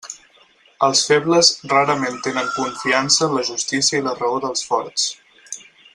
Els febles rarament tenen confiança en la justícia i la raó dels forts.